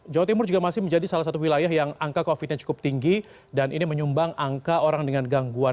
jawa timur juga masih menjadi salah satu wilayah yang angka covid nya cukup tinggi dan ini menyumbang angka orang dengan gangguan